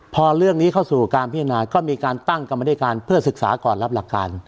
พอเรื่องนี้เข้าสู่การพิจารณาก็มีการตั้งกรรมธิการเพื่อศึกษาก่อนรับหลักการ